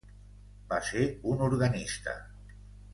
Va ser un organista.